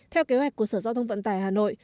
theo kế hoạch của sở giao thông vận tải hà nội